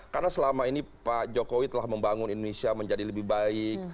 karena selama ini pak jokowi telah membangun indonesia menjadi lebih baik